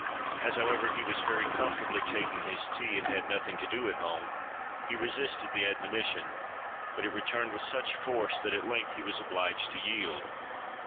As however, he was very comfortably taking his tea, and had nothing to do at home, he resisted the admonition; but it returned with such force that at length he was obliged to yield.